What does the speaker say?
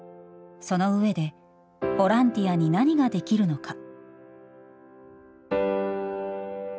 その上でボランティアに何ができるのか。